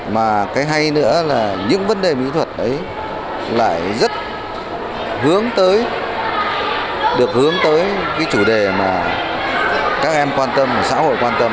mà cái hay nữa là những vấn đề mỹ thuật ấy lại rất hướng tới được hướng tới cái chủ đề mà các em quan tâm và xã hội quan tâm